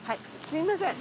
すいません。